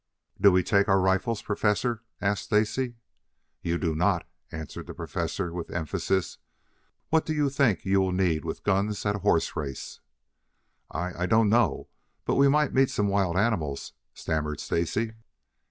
"Do we take our rifles, Professor?" asked Stacy. "You do not," answered the Professor, with emphasis. "What do you think you will need with guns at a horse race?" "I I don't know but that we might meet some wild animals," stammered Stacy.